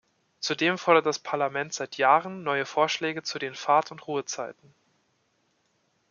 Zudem fordert das Parlament seit Jahren neue Vorschläge zu den Fahrt- und Ruhezeiten.